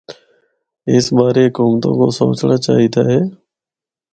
اس بارے حکومتاں کو سوچنڑا چاہی دا اے۔